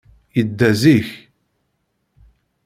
Yedda zik.